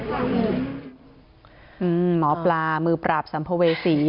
หมอปลามือปราบสัมภเวษี